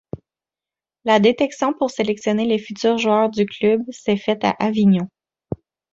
La détection pour sélectionner les futurs joueurs du club s'est faite à Avignon.